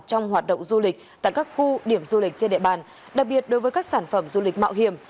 trong hoạt động du lịch tại các khu điểm du lịch trên địa bàn đặc biệt đối với các sản phẩm du lịch mạo hiểm